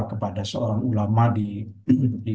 kepada seorang ulama di